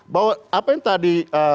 bahwa apa yang tadi